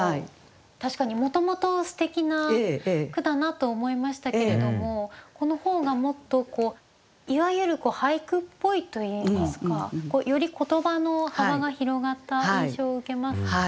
確かにもともとすてきな句だなと思いましたけれどもこの方がもっとこういわゆる俳句っぽいといいますかより言葉の幅が広がった印象を受けます。